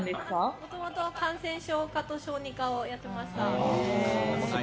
元々、感染症科と小児科をやってました。